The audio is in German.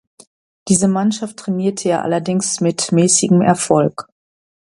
Diese Mannschaft trainierte er allerdings mit mäßigem Erfolg.